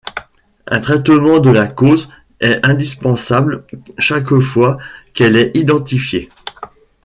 Un traitement de la cause est indispensable chaque fois qu'elle est identifiée.